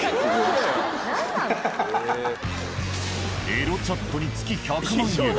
エロチャットに月１００万円。